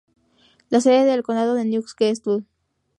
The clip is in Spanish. La sede de condado es New Castle.